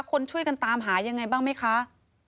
คนช่วยกันตามหายังไงบ้างไหมคะ